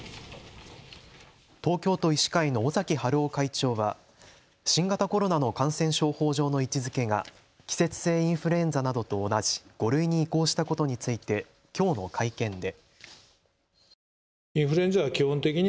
東京都医師会の尾崎治夫会長は新型コロナの感染症法上の位置づけが季節性インフルエンザなどと同じ５類に移行したことについてきょうの会見で。